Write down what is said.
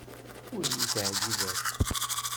Ur iyi-teɛjibeḍ akk.